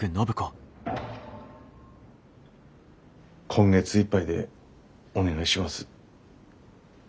今月いっぱいでお願いします。